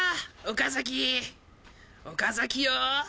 岡崎よ